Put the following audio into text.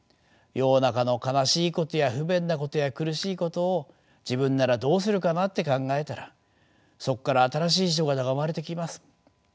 世の中の悲しいことや不便なことや苦しいことを自分ならどうするかなって考えたらそこから新しい仕事が生まれてきます。